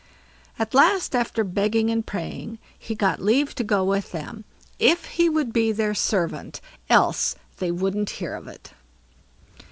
At last, after begging and praying, he got leave to go with them, if he would be their servant, else they wouldn't hear of it.